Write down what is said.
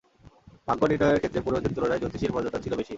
ভাগ্য নির্ণয়ের ক্ষেত্রে পুরোহিতের তুলনায় জ্যোতিষীর মর্যাদা ছিল বেশি।